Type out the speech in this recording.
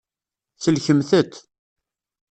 Sellkemt-t.